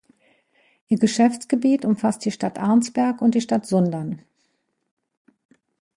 Ihr Geschäftsgebiet umfasst die Stadt Arnsberg und die Stadt Sundern.